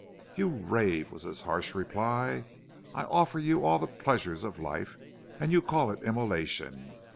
"'You rave,' was his harsh reply. 'I offer you all the pleasures of life, and you call it immolation.